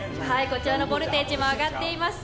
こちらのボルテージも上がっています。